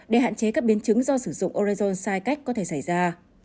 để hạn chế các biến chứng do sử dụng orezone sai cách có thể xảy ra